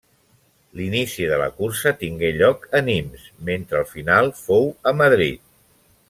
L'inici de la cursa tingué lloc a Nimes, mentre el final fou a Madrid.